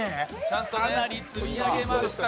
かなり積み上げました。